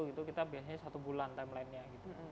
itu kita biasanya satu bulan timelinenya gitu